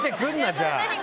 じゃあ。